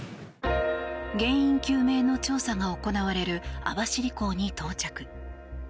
原因究明の調査が行われる網走港に到着。